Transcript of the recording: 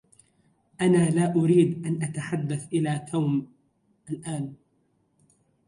أنا لا أريد أن أتحدث إلى توم الآن.